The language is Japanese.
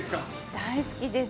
大好きです。